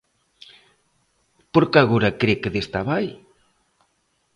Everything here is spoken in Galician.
Por que agora cre que desta vai?